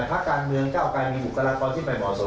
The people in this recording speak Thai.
ภาคการเมืองก็ออกการมีบุคลักษณ์ตอนที่ไม่เหมาะสม